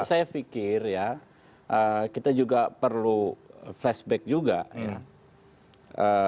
saya pikir ya kita juga perlu flashback juga ya